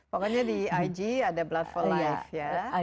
pokoknya di ig ada blood for life ya